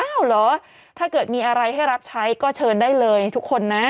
เหรอถ้าเกิดมีอะไรให้รับใช้ก็เชิญได้เลยทุกคนนะ